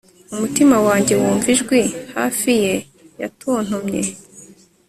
umutima wanjye wumva ijwi hafi ye yatontomye